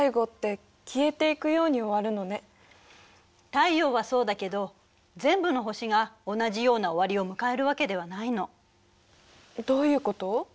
太陽はそうだけど全部の星が同じような終わりを迎えるわけではないの。どういうこと？